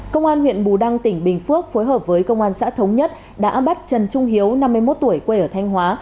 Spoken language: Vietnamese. công an huyện bù đăng tỉnh bình phước phối hợp với công an xã thống nhất đã bắt trần trung hiếu năm mươi một tuổi quê ở thanh hóa